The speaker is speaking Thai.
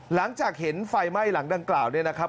หลังจากเห็นไฟไหม้หลังดังกล่าวเนี่ยนะครับ